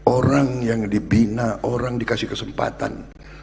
orang yang dibina orang dikasih kesempatan